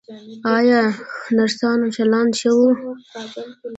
ایا نرسانو چلند ښه و؟